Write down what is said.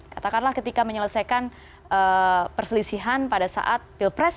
katakanlah ketika menyelesaikan perselisihan pada saat pilpres